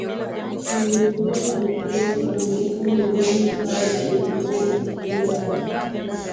Kiumbe huyo amekuwepo kwa miaka milioni na bado hajulikani ni kiumbe wa aina gani